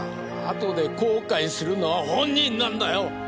あとで後悔するのは本人なんだよ！